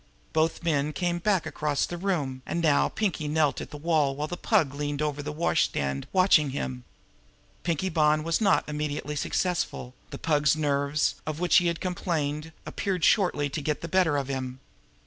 Both men came back across the room, and now Pinkie Bonn knelt at the wall while the Pug leaned over the washstand watching him. Pinkie Bonn was not immediately successful; the Pug's nerves, of which he had complained, appeared shortly to get the better of him.